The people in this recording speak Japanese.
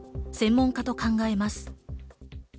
専門家と考えます。